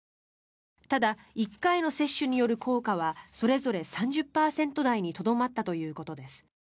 ただ、１回の接種による効果はそれぞれ３０％台にとどまったということです。